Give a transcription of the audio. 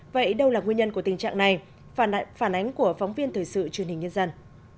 vậy đâu là nguyên nhân của tình trạng này phản ánh phản ánh của phóng viên thời sự truyền hình nhân dân